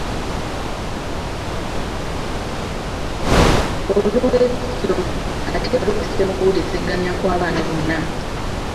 Olungereza ssomo ate nga lukozesebwa mu kuwuliziganya kw'abaana bonna.